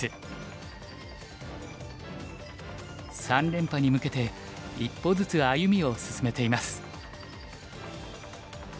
三連覇に向けて一歩ずつ歩みを進めています。